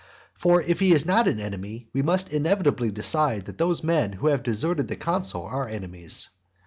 For if he be not an enemy, we must inevitably decide that those men who have deserted the consul are enemies.